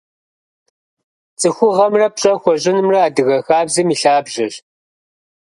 Цӏыхугъэмрэ пщӏэ хуэщӏынымрэ адыгэ хабзэм и лъабжьэщ.